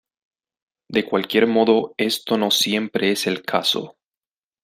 De cualquier modo, esto no siempre es el caso.